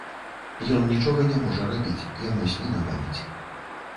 Ён нічога не можа рабіць, яму спіна баліць.